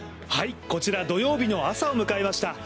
こちら土曜日の朝を迎えました。